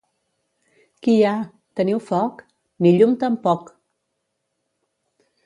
—Qui hi ha? —Teniu foc? —Ni llum tampoc!